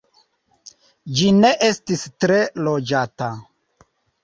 Ĝi ne estis tre loĝata.